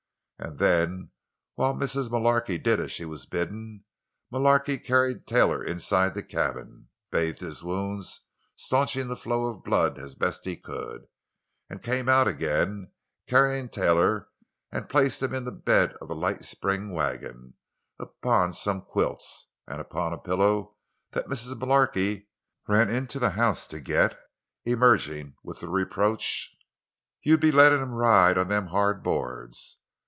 And then, while Mrs. Mullarky did as she was bidden, Mullarky carried Taylor inside the cabin, bathed his wounds, stanching the flow of blood as best he could—and came out again, carrying Taylor, and placed him in the bed of the light spring wagon, upon some quilts—and upon a pillow that Mrs. Mullarky ran into the house to get, emerging with the reproach: "You'd be lettin' him ride on them hard boards!"